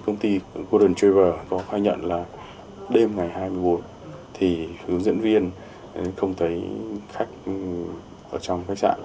công ty golden travel có khai nhận là đêm ngày hai mươi bốn hướng dẫn viên không thấy khách ở trong khách sạn